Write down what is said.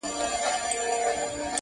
هره پوله به نن وه، سبا به نه وه،